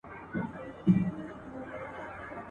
د ښار خلکو ته دا لویه تماشه سوه !.